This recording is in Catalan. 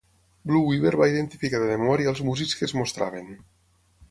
Blue Weaver va identificar de memòria els músics que es mostraven.